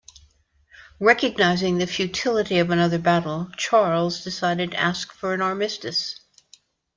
Recognising the futility of another battle, Charles decided to ask for an armistice.